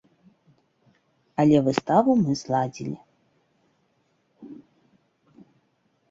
Але выставу мы зладзілі.